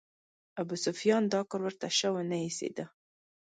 ابوسفیان دا کار ورته شه ونه ایسېده.